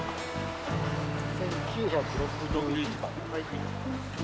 １９６１番。